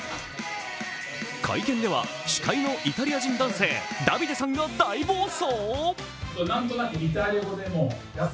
会見では司会のイタリア人男性、ダヴィデさんが大暴走。